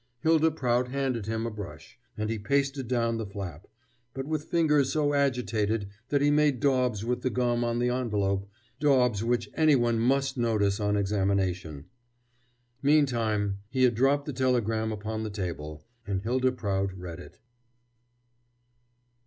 Hylda Prout handed him a brush, and he pasted down the flap, but with fingers so agitated that he made daubs with the gum on the envelope, daubs which anyone must notice on examination. Meantime, he had dropped the telegram upon the table, and Hylda Prout read it.